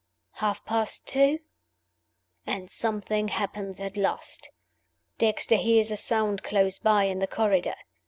Half past two and something happens at last. Dexter hears a sound close by, in the corridor.